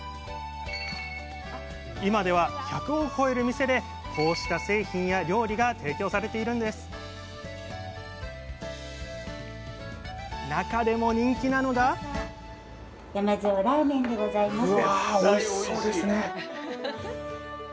今では１００を超える店でこうした製品や料理が提供されているんです中でも人気なのがうわおいしそうですね。